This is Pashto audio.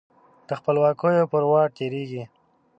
د خپلواکیو پر واټ تیریږې